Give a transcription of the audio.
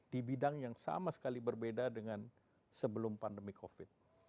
di bidang yang sama sekali berbeda dengan sebelum pandemi covid